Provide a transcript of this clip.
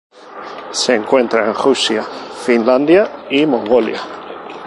Se encuentra en Rusia, Finlandia y Mongolia.